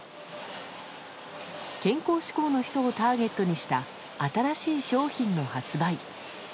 健康志向の人をターゲットにした新しい商品の発売。